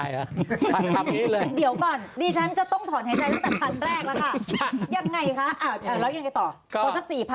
เดี๋ยวก่อนดิฉันจะต้องถอนหายใจตั้งแต่พันแรกแล้วค่ะยังไงคะ